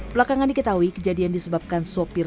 belakangan diketahui kejadian disebabkan sopir